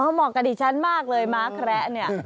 เหมาะกับดิฉันมากเลยม้าแคระเนี่ย